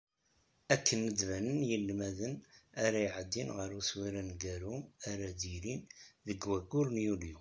Akken ad d-banen yinelmaden ara iɛeddin ɣer uswir aneggaru ara d-yilin deg wayyur n yulyu.